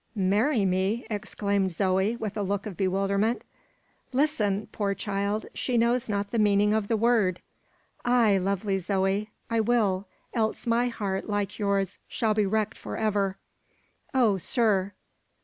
"Marry me!" exclaimed Zoe, with a look of bewilderment. "Listen! Poor child! she knows not the meaning of the word!" "Ay, lovely Zoe! I will; else my heart, like yours, shall be wrecked for ever! Oh, sir!"